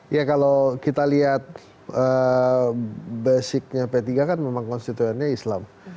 ya kalau kita lihat basicnya p tiga kan memang konstituennya islam